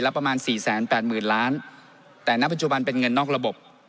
ประมาณสี่แสนแปดหมื่นล้านแต่ณปัจจุบันเป็นเงินนอกระบบ